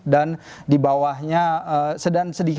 dan di bawahnya sedikit